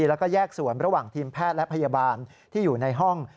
แล้วก็แยกส่วนระหว่างทีมแพทย์และพยาบาลที่อยู่ในห้อง